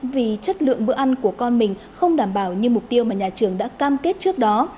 vì chất lượng bữa ăn của con mình không đảm bảo như mục tiêu mà nhà trường đã cam kết trước đó